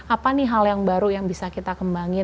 apa nih hal yang baru yang bisa kita kembangin